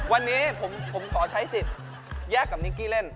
วันนี้ผมขอใช้สิทธิ์แยกกับนิกกี้เล่น